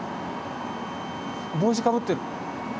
帽子かぶってる。